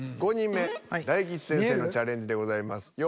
５人目大吉先生のチャレンジでございます。